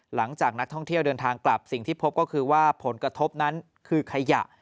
หลังจากนักท่องเที่ยวเดินทางกลับสิ่งที่พบก็คือว่าผลกระทบนั้นคือขยะ